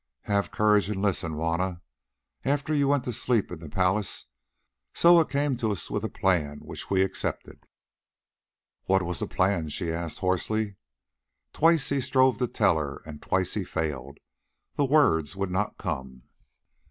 "Have courage and listen, Juanna. After you went to sleep in the palace, Soa came to us with a plan which we accepted." "What was the plan?" she asked hoarsely. Twice he strove to tell her and twice he failed—the words would not come.